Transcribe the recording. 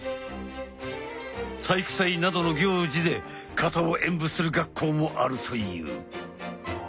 体育祭などの行事で形を演武する学校もあるという。